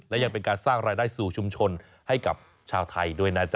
และยังเป็นการสร้างรายได้สู่ชุมชนให้กับชาวไทยด้วยนะจ๊